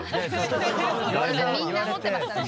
みんな思ってましたね。